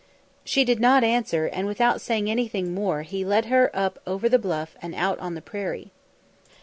She did not answer, and without saying anything more he led her up over the bluff and out on the prairie.